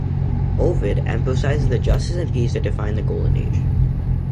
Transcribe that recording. Ovid emphasizes the justice and peace that defined the Golden Age.